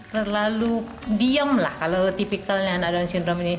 terlalu diem lah kalau tipikalnya anak down syndrome ini